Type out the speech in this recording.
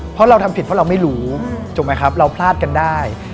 เพราะเราทำผิดเพราะเราไม่รู้ถูกไหมครับเราพลาดกันได้